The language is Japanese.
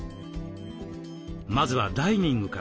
まずはダイニングから。